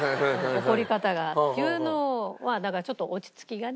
怒り方が。っていうのはだからちょっと落ち着きがね。